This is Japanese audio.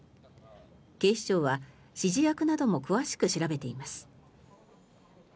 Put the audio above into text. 警視庁は指示役なども詳しく調べています。